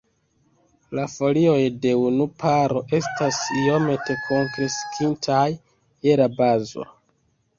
La folioj de unu paro estas iomete kunkreskintaj je la bazo.